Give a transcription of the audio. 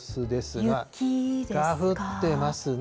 が降ってますね。